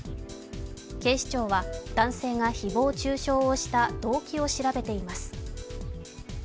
警視庁は、男性が誹謗中傷をした動機を調べています。